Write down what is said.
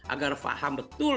agar faham betul